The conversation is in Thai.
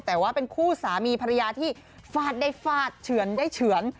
แต่ว่าเป็นคู่สามีภรรยาที่ฟาดได้ฟาดเฉือนได้เฉือน